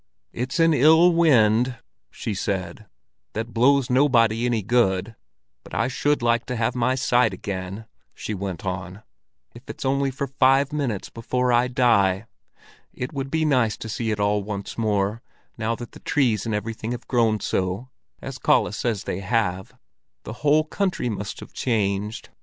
"It's an ill wind," she said, "that blows nobody any good. But I should like to have my sight again," she went on, "if it's only for five minutes, before I die. It would be nice to see it all once more, now that the trees and everything have grown so, as Kalle says they have. The whole country must have changed.